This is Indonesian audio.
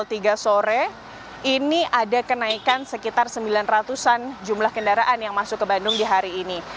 jadi dari pukul tiga sore ini ada kenaikan sekitar sembilan ratus an jumlah kendaraan yang masuk ke bandung di hari ini